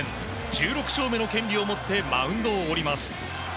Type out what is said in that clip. １６勝目の権利を持ってマウンドを降ります。